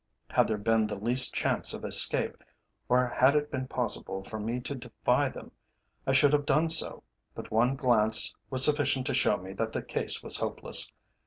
Had there been the least chance of escape, or had it been possible for me to defy them, I should have done so, but one glance was sufficient to show me that the case was hopeless.